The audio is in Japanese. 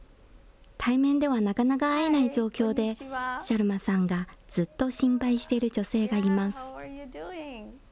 対面ではなかなか会えない状況で、シャルマさんがずっと心配している女性がいます。